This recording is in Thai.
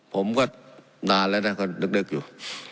ผมก็นานแล้วนะก็นึกอยู่